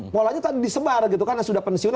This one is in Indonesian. polanya tadi disebar gitu karena sudah pensiun